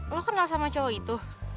lo kenal sama cowok itu